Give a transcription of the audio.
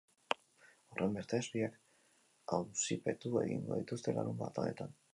Horrenbestez, biak auzipetu egingo dituzte larunbat honetan.